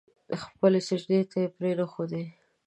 خپلې سجدې ته يې پرې نه ښودې.